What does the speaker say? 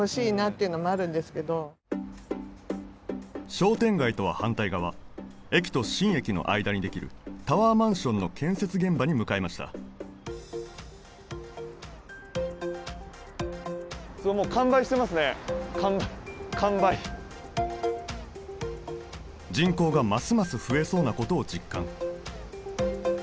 商店街とは反対側駅と新駅の間にできるタワーマンションの建設現場に向かいました人口がますます増えそうなことを実感